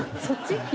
そっち？